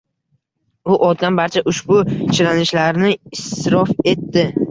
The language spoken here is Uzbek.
U otgan barcha ushbu chiranishlarni isrof etdi.